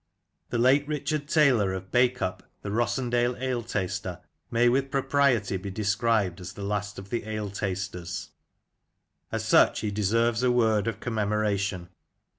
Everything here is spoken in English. The late Richard Taylor, of Bacup, the Rossendale ale taster, may with propriety be described as " The Last of the Ale Tasters." As such he deserves a word of commem oration.